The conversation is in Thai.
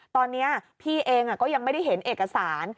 ตอนนี้พี่เองก็ยังไม่ได้เห็นเอกสาร